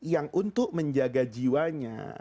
yang untuk menjaga jiwanya